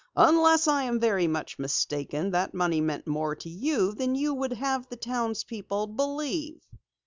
Unless I am very much mistaken, that money meant more to you than you would have the townspeople believe!"